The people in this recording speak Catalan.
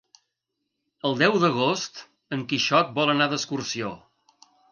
El deu d'agost en Quixot vol anar d'excursió.